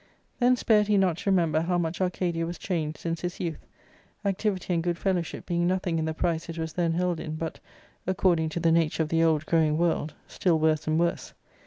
Then spared he not to remember how much Arcadia was changed since his youth, activity and good ""^ fellowship being nothing in the price it was^thenlield in, but, */ according to the nature of~the old growing world, still worse and worse.